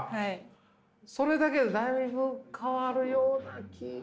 それだけでだいぶ変わるような気が。